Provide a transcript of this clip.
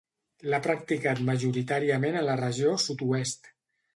L'ha practicat majoritàriament a la regió sud-oest.